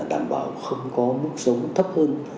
đảm bảo không có mức sống thấp hơn